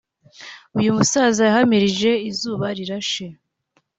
uyu musaza yahamirije Izubarirashe